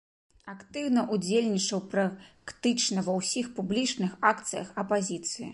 Актыўна ўдзельнічаў практычна ва ўсіх публічных акцыях апазіцыі.